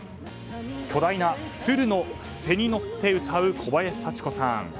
巨大なツルの背に乗って歌う小林幸子さん。